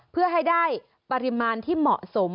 เพื่อให้ได้ปริมาณที่เหมาะสม